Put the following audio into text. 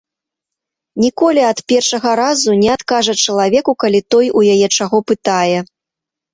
Ніколі ад першага разу не адкажа чалавеку, калі той у яе чаго пытае.